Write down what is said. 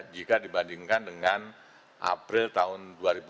jika dibandingkan dengan april tahun dua ribu dua puluh